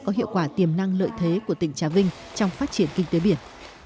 có hiệu quả tiềm năng lợi thế của tỉnh trà vinh trong phát triển kinh tế biển